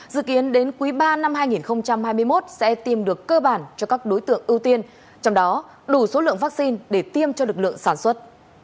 dự kiến đến quý ba năm hai nghìn hai mươi một sẽ tìm được cơ bản cho các đối tượng ưu tiên trong đó đủ số lượng vaccine để tiêm cho lực lượng sản xuất